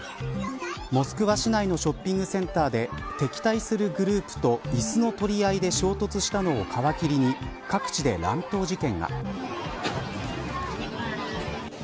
モスクワ市内のショッピングセンターで敵対するグループといすの取り合いで衝突したのを皮切りに各地で乱闘事件が。